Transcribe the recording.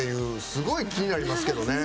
すごい気になりますけどね。